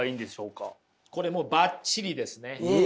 これもばっちりですね！